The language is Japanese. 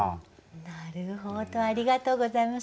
なるほどありがとうございます。